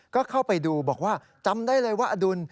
ก็เข้าไปดูบอกว่าจำได้เลยว่าอดุล